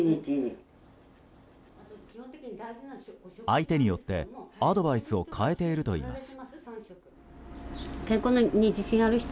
相手によって、アドバイスを変えているといいます。